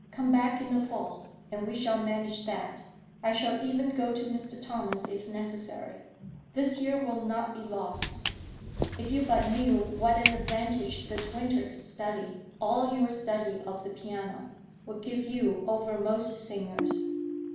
Come back in the fall and we shall manage that. I shall even go to Mr. Thomas if necessary. This year will not be lost. If you but knew what an advantage this winter's study, all your study of the piano, will give you over most singers.